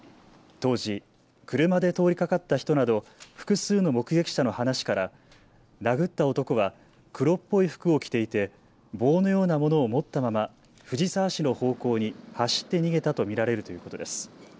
当時車で通りかかった人など複数の目撃者の話から殴った男は黒っぽい服を着ていて棒のようなものを持ったまま藤沢市の方向に走って逃げたと見られるということです。